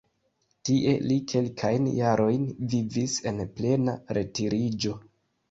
Tie li kelkajn jarojn vivis en plena retiriĝo.